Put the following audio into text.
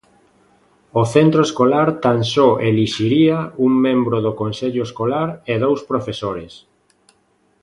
O centro escolar tan só elixiría un membro do consello escolar e dous profesores.